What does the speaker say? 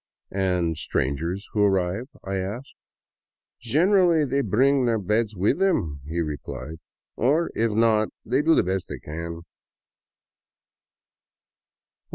*' And strangers who arrive ?" I asked. " Generally bring their beds with them," he replied, " or, if not, they do the best they can."